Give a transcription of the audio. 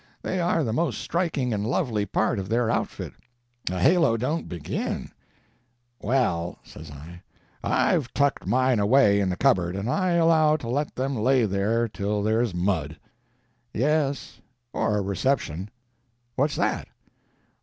They are the most striking and lovely part of their outfit—a halo don't begin." "Well," says I, "I've tucked mine away in the cupboard, and I allow to let them lay there till there's mud." "Yes—or a reception." "What's that?"